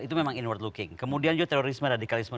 itu memang inward looking kemudian juga terorisme radikalisme